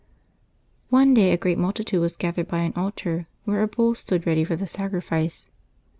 One day a great multitude was gathered by an altar, where a bull stood ready for the sacrifice.